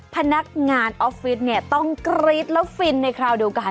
พนักงานออฟฟิศเนี่ยต้องกรี๊ดแล้วฟินในคราวเดียวกัน